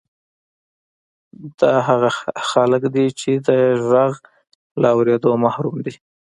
دا هغه خلک دي چې د غږ له اورېدو محروم دي